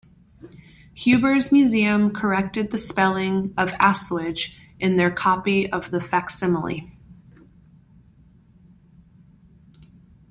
Huber's Museum corrected the spelling of "assuage" in their copy of the facsimile.